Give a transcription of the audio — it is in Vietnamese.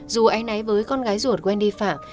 dù anh ấy với con gái ruột wendy phạng